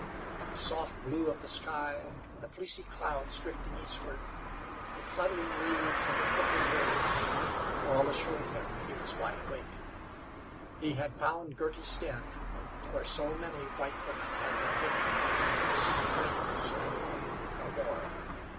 The soft blue of the sky, the fleecy clouds drifting eastward, the fluttering leaves and the twittering birds all assured him he was wide awake. He had found Girty's den where so many white women had been hidden, to see friends and home no more.